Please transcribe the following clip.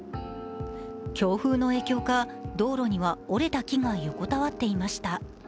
強風の影響か道路には折れた木が横たわっていました。